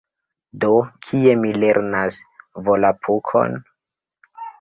Do, kie mi lernas Volapukon?